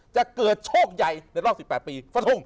จะเกิดโชคใหญ่ในรอบ๑๘ปี